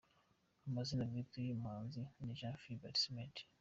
Amazina bwite y’ uyu muhanzi ni Jean-Philippe Smet.